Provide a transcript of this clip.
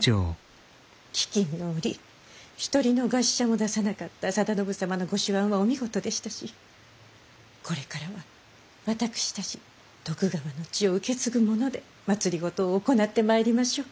飢きんの折一人の餓死者も出さなかった定信様のご手腕はお見事でしたしこれからは私たち徳川の血を受け継ぐ者で政を行ってまいりましょう。